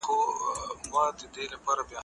که وخت وي، کتابتون ته ځم،